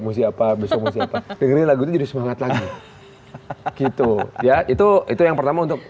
mau siapa besok mau siapa dengerin lagu itu jadi semangat lagi gitu ya itu itu yang pertama untuk